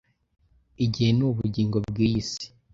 igihe ni ubugingo bwiyi si.